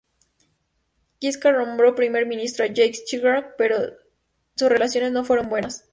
Giscard nombró primer ministro a Jacques Chirac, pero sus relaciones no fueron buenas.